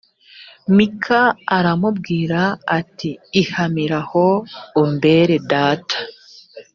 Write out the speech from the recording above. mika aramubwira ati ihamiraho umbere data